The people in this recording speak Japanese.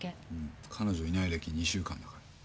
カノジョいない歴２週間だから。